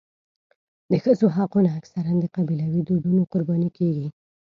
د ښځو حقونه اکثره د قبیلوي دودونو قرباني کېږي.